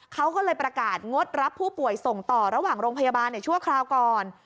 เขาก็เลยประกาศงดรับผู้ป่วยส่งต่อระหว่างโรงพยาบาลชั่วคราวก่อน